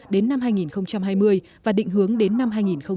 đến năm hai nghìn hai mươi và định hướng đến năm hai nghìn ba mươi